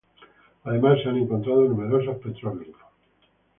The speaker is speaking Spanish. Además, se han encontrado numerosos petroglifos.